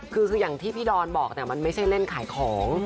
คืออย่างที่พี่ดอนบอกมันไม่ใช่เล่นขายของ